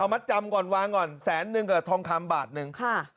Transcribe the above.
เอามัดจำก่อนวางก่อนแสนนึงกับทองคามบาทนึงค่ะ